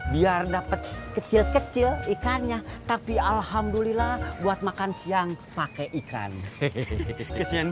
biar dapat kecil kecil ikannya tapi alhamdulillah buat makan siang pakai ikan hehehe